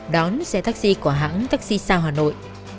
đón xe taxi của hãng taxi sao hà nội